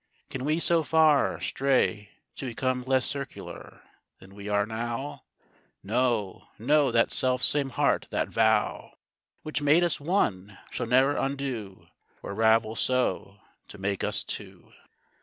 Can we so far Stray, to become less circular Than we are now? No, no, that self same heart, that vow Which made us one, shall ne'er undo, Or ravel so, to make us two.